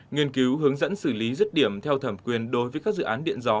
nghiên cứu hướng dẫn xử lý rứt điểm theo thẩm quyền đối với các dự án điện gió